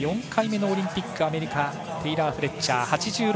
４回目のオリンピック、アメリカテイラー・フレッチャー。